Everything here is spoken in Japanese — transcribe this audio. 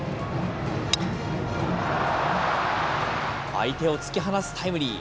相手を突き放すタイムリー。